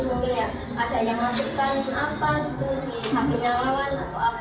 mungkin ya ada yang masukkan apa itu dihapisnya lawan atau apa itu